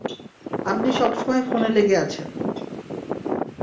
আপনি সবসময় ফোনে লেগে আছেন!